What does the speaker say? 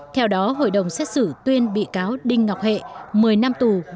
theo đó hội đồng xét xử tuyên bị cáo đinh ngọc hệ một mươi năm tù